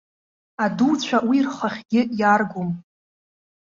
Адуцәа уи рхахьгьы иааргом.